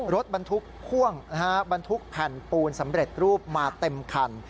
รถบรรทุกพ่วงนะฮะบรรทุกแผ่นปูนสำเร็จรูปมาเต็มคัน